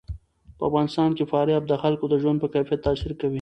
په افغانستان کې فاریاب د خلکو د ژوند په کیفیت تاثیر کوي.